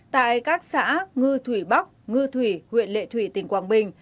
tại các xã ngư thủy bắc ngư thủy huyện lệ thủy tỉnh quảng bình